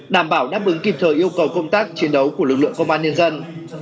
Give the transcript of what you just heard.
đảm bảo đáp ứng kịp thời yêu cầu công tác chiến đấu của lực lượng công an nhân dân